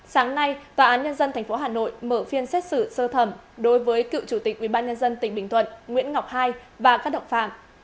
sáng nay tòa án nhân dân tp hà nội mở phiên xét xử sơ thẩm đối với cựu chủ tịch ubnd tỉnh bình thuận nguyễn ngọc hai và các động phạm